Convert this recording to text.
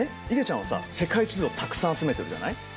いげちゃんはさ世界地図をたくさん集めてるじゃない？